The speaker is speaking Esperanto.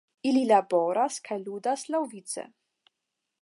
Ili laboras kaj ludas laŭvice.